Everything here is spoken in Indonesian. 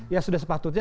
ya sudah sepatutnya